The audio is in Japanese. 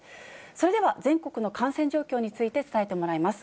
それでは、全国の感染状況について伝えてもらいます。